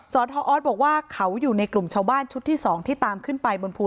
สทออสบอกว่าเขาอยู่ในกลุ่มชาวบ้านชุดที่๒ที่ตามขึ้นไปบนภู